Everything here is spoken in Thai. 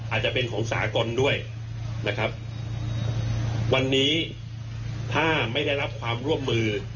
อาจจะเป็นของสากลด้วยนะครับวันนี้ถ้าไม่ได้รับความร่วมมือ